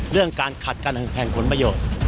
เรื่องการขัดการแข่งแผ่นผลประโยชน์